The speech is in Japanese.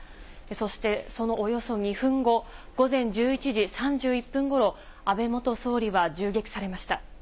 そして、そのおよそ２分後、午前１１時３１分ごろ、安倍元総理は銃撃されました。